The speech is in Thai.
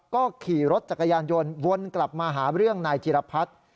ก็ขี่รถจักรยานยนต์วนกลับมาหาเรื่องนายจิรพัฒน์